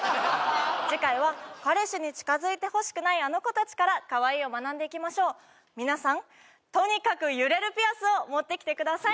次回は彼氏に近づいてほしくないあの子たちからかわいいを学んでいきましょう皆さんとにかく揺れるピアスを持ってきてください